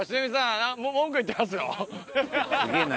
すげえな。